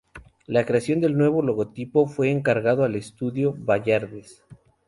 La creación del nuevo logotipo fue encargado al Estudio Valladares.